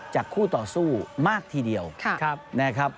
คู่ต่อสู้มากทีเดียวนะครับ